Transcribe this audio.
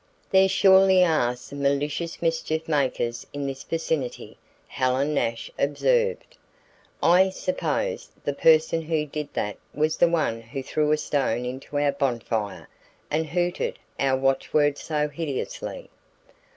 "There surely are some malicious mischief makers in this vicinity," Helen Nash observed. "I suppose the person who did that was the one who threw a stone into our bonfire and hooted our watchword so hideously."